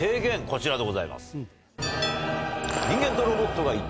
こちらでございます。